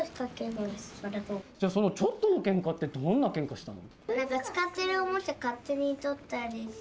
じゃあそのちょっとのケンカってどんなケンカしたの？